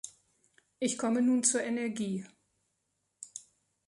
Ich komme nun zur Energie.